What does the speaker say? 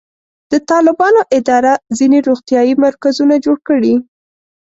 د طالبانو اداره ځینې روغتیایي مرکزونه جوړ کړي.